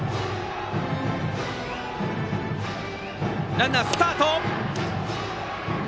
ランナー、スタート。